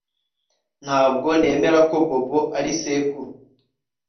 S Ntabwo nemera ko Bobo ari sekuru